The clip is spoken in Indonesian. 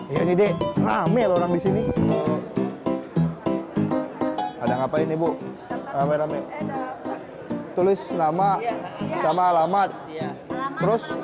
ini dek ramai orang di sini ada ngapain ibu ramai ramai tulis nama sama alamat terus